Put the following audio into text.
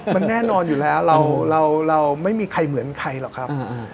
มันแน่นอนอยู่แล้วเราไม่มีใครเหมือนใครหรอกครับ